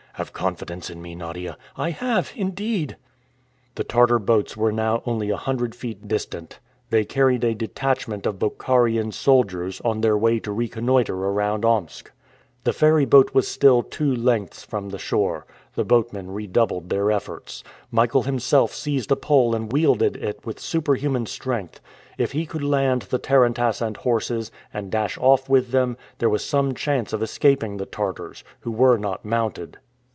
"Have confidence in me, Nadia." "I have, indeed!" The Tartar boats were now only a hundred feet distant. They carried a detachment of Bokharian soldiers, on their way to reconnoiter around Omsk. The ferryboat was still two lengths from the shore. The boatmen redoubled their efforts. Michael himself seized a pole and wielded it with superhuman strength. If he could land the tarantass and horses, and dash off with them, there was some chance of escaping the Tartars, who were not mounted.